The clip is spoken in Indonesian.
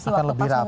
waktu pas uangnya